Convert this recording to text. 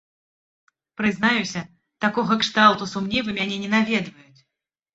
Прызнаюся, такога кшталту сумневы мяне не наведваюць.